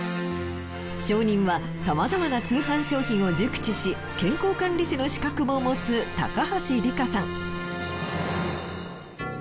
証人はさまざまな通販商品を熟知し健康管理士の資格も持つ高橋利果さん。